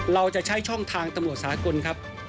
เราจะใช้ช่องทางตำรวจสากลครับ